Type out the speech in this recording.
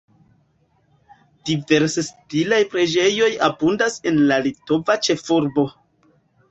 Diversstilaj preĝejoj abundas en la litova ĉefurbo.